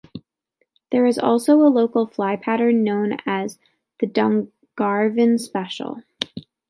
There is also a local fly pattern known as the Dungarvon Special.